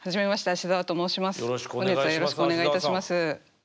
本日はよろしくお願い致します。